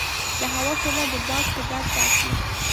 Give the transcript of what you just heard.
د هوا سرعت د باد شدت ټاکي.